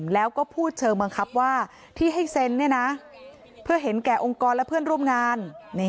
แล้วก็พูดเชิงบังคับว่าที่ให้เซ็นเพื่อเห็นแก่องค์กรและเพื่อนร่วมงาน